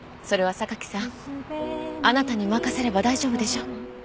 それは榊さんあなたに任せれば大丈夫でしょ？